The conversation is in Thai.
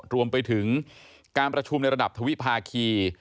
รวมไปถึงการประชุมในระดับทวิภาคี